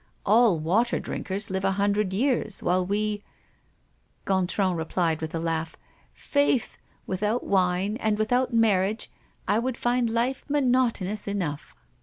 All water drinkers live a hundred years, while we " Gontran replied with a laugh: "Faith, without wine and without marriage, I would find life monotonous enough."